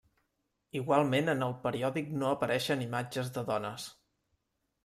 Igualment en el periòdic no apareixen imatges de dones.